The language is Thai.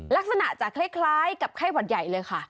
ลักษณะจะคล้ายกับไข้หวัดใหญ่เลยค่ะ